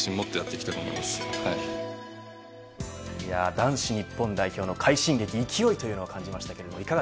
男子日本代表の快進撃勢いというのを感じました。